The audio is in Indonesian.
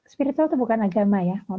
spiritual itu bukan agama ya